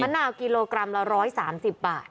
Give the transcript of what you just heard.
นาวกิโลกรัมละ๑๓๐บาท